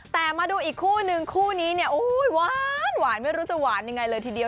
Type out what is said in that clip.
แต่มาดูอีกคู่นึงคู่นี้เนี่ยหวานไม่รู้จะหวานยังไงเลยทีเดียว